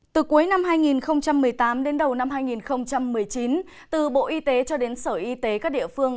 từ cuối năm hai nghìn một mươi tám đến đầu năm hai nghìn một mươi chín từ bộ y tế cho đến sở y tế các địa phương